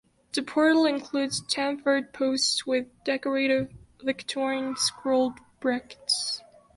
The portal includes chamfered posts with decorative Victorian scrolled brackets.